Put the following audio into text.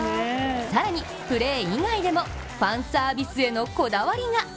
更に、プレー以外でもファンサービスへのこだわりが。